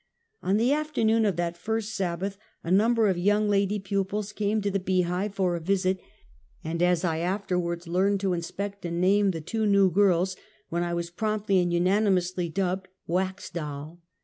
On the afternoon of that first Sabbath, a number of young lady pupils came to the Bee hiye for a visit, and as I afterwards learned to inspect and name the two new girls, when I was promptly and unanimously dubbed "Wax Doll."